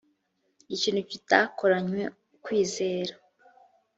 ikintu kidakoranywe ukwizera